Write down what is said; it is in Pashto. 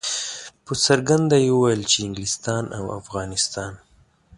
په څرګنده یې ویل چې انګلستان او افغانستان.